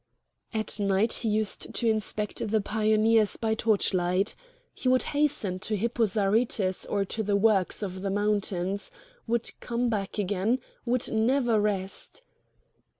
At night he used to inspect the pioneers by torch light. He would hasten to Hippo Zarytus or to the works on the mountains, would come back again, would never rest.